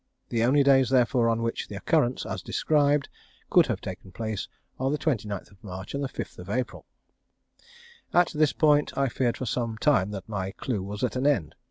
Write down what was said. The only days, therefore, on which the occurrence, as described, could have taken place are the 29th March and 5th April. At this point I feared for some time that my clue was at an end.